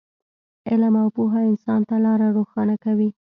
علم او پوهه انسان ته لاره روښانه کوي.